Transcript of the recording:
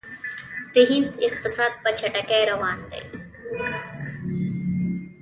د هند اقتصاد په چټکۍ روان دی.